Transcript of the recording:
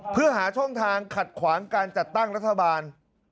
เพื่อหาช่องทางขัดขวางการจัดตั้งรัฐบาล